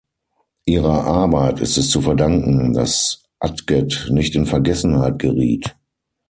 Ihrer Arbeit ist es zu verdanken, dass Atget nicht in Vergessenheit geriet.